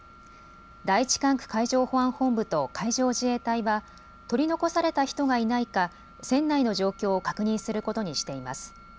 第１管区海上保安本部と海上自衛隊は取り残された人がいないか船内の状況を確認することにしています。